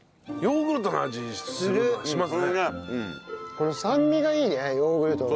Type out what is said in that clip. この酸味がいいねヨーグルトの。